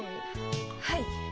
はい。